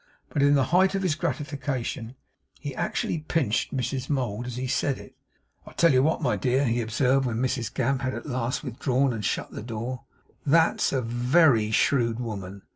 But in the height of his gratification he actually pinched Mrs Mould as he said it. 'I'll tell you what, my dear,' he observed, when Mrs Gamp had at last withdrawn and shut the door, 'that's a ve ry shrewd woman.